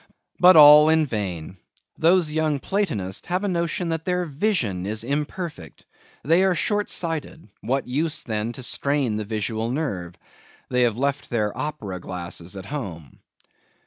But all in vain; those young Platonists have a notion that their vision is imperfect; they are short sighted; what use, then, to strain the visual nerve? They have left their opera glasses at home.